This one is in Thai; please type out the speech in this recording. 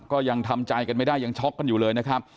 ก็ยังทำใจกันไม่ได้ยังช็อกกันอยู่เลยนะครับ